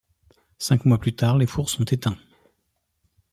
Cinq mois plus tard les fours sont éteints.